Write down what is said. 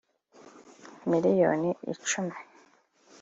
Miliyoni icumi